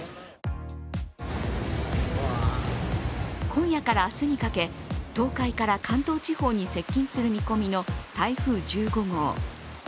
今夜から明日にかけ東海から関東地方に接近する見込みの台風１５号。